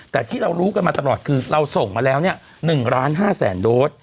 แต่ที่เรารู้กันมาตลอดคือเราส่งมาแล้ว๑๕๐๐๐โดส